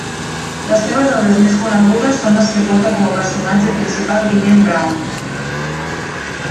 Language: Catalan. Les seves obres més conegudes són les que porten com a personatge principal Guillem Brown.